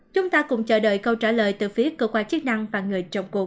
chúng ta cùng chờ đợi câu trả lời từ phía cơ quan chức năng và người trồng cuộc